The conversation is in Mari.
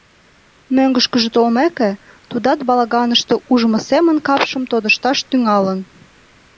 Мӧҥгышкыжӧ толмеке, тудат балаганыште ужмо семын капшым тодышташ тӱҥалын.